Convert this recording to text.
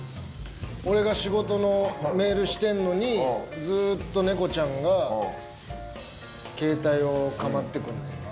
俺が仕事のメールしてんのにずっと猫ちゃんがケータイを構ってくんねんな。